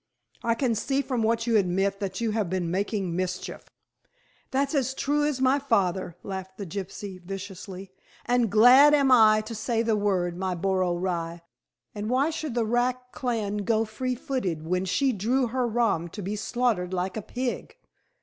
I can see from what you admit, that you have been making mischief." "That's as true as my father," laughed the gypsy viciously. "And glad am I to say the word, my boro rye. And why should the raclan go free footed when she drew her rom to be slaughtered like a pig?"